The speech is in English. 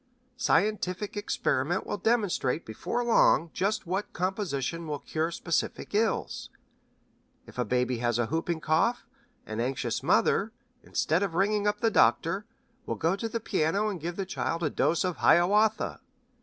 Scientific experiment will demonstrate before long just what composition will cure specific ills. If a baby has whooping cough, an anxious mother, instead of ringing up the doctor, will go to the piano and give the child a dose of 'Hiawatha.'